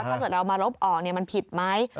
ถ้าเกิดเรามาลบออกมันผิดไหม